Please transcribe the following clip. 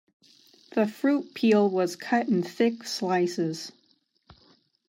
The fruit peel was cut in thick slices.